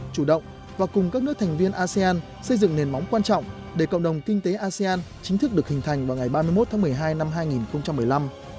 chủ động và cùng các nước thành viên asean xây dựng nền móng quan trọng để cộng đồng kinh tế asean chính thức được hình thành vào ngày ba mươi một tháng một mươi hai năm hai nghìn một mươi năm